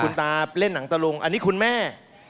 คุณตาเล่นหนังตะลุงอันนี้คุณแม่